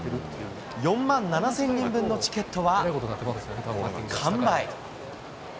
４万７０００人分のチケットは完売。